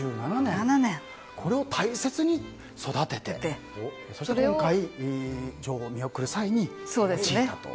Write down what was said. これを大切に育ててそして今回女王を見送る際に用いたと。